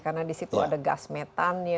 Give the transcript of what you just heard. karena di situ ada gas metannya